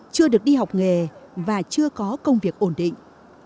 chưa được đi học nghề và chưa có công việc ổn định